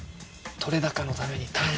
撮れ高のために頼む！